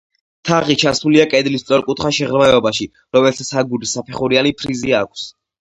თაღი ჩასმულია კედლის სწორკუთხა შეღრმავებაში, რომელსაც აგურის საფეხურიანი ფრიზი აქვს.